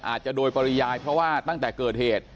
อาจจะโดยปริยายเพราะว่าตั้งแต่เกิดเหตุ